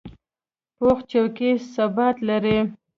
پوخ چوکۍ ثبات لري